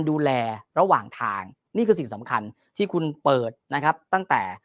ดูแลระหว่างทางนี่คือสิ่งสำคัญที่คุณเปิดนะครับตั้งแต่